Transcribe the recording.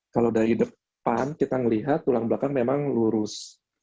kalau dari depan kita melihat tulang belakang memang lurus